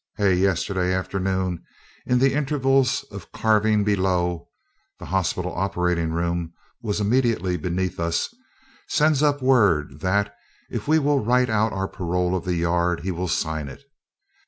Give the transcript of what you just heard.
Hay, yesterday afternoon, in the intervals of carving below (the hospital operating room was immediately beneath us), sends up word that, if we will write out our parole of the yard, he will sign it.